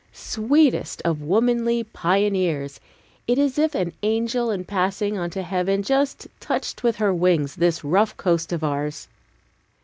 Sweetest of womanly pioneers! It is as if an angel in passing on to heaven just touched with her wings this rough coast of ours.